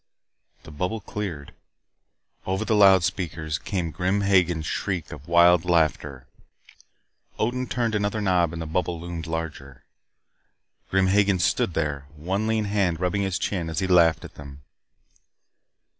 The bubble cleared. Over the loudspeakers came Grim Hagen's shriek of wild laughter. Odin turned another knob and the bubble loomed larger. Grim Hagen stood there, one lean hand rubbing his chin as he laughed at them.